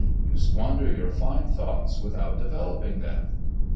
You squander your fine thoughts without developing them."